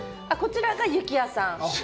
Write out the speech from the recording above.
こちらが幸也さん。